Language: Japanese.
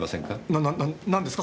ななな何ですか？